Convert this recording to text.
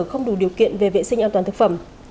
không đủ điều kiện về vệ sinh an toàn thực phẩm